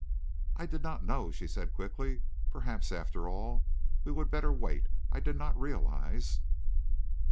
"I did not know," she said, quickly. "Perhaps, after all, we would better wait. I did not realise...."